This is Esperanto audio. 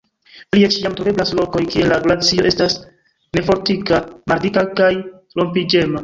Plie, ĉiam troveblas lokoj, kie la glacio estas nefortika, maldika kaj rompiĝema.